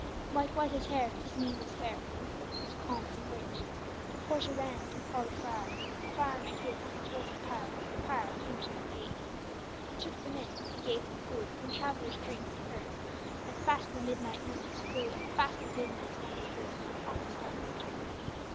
White was his hair, his mien was fair, His look was calm and great. The porter ran and called a friar; The friar made haste and told the prior; The prior came to the gate. He took them in, he gave them food; The traveller's dreams he heard; And fast the midnight moments flew, And fast the good man's wonder grew, And all his heart was stirred.